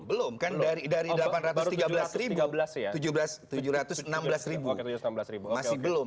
belum kan dari delapan ratus tiga belas tujuh ratus enam belas ribu masih belum